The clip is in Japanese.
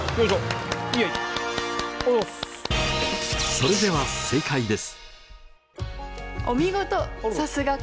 それでは正解です。